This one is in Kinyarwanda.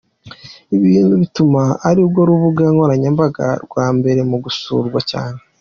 Ibi bituma arirwo rubuga nkoranyambaga rwa mbere mu gusurwa cyane.